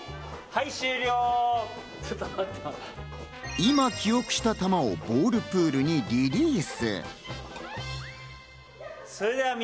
今記憶した球をボールプールにリリース！